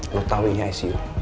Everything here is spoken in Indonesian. lu tau ini hasil